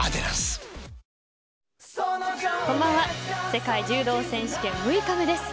世界柔道選手権６日目です。